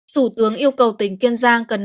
thủ tướng yêu cầu tỉnh kiên giang cẩn thận